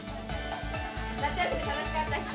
夏休み楽しかった人？